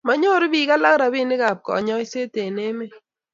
manyoru biik alak robinikab kanyoiset eng' emet